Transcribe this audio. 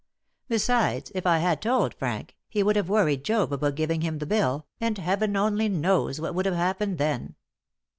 Besides, if I had told Frank, he would have worried Job about giving him the bill, and Heaven only knows what would have happened then.